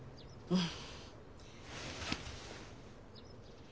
うん。